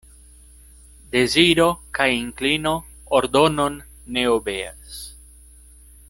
Deziro kaj inklino ordonon ne obeas.